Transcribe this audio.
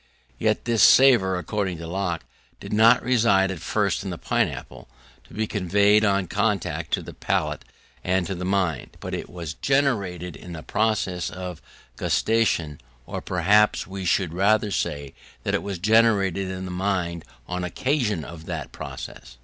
Yet this savour, according to Locke, did not reside at first in the pineapple, to be conveyed on contact to the palate and to the mind; but it was generated in the process of gustation; or perhaps we should rather say that it was generated in the mind on occasion of that process.